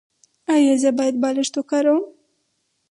ایا زه باید بالښت وکاروم؟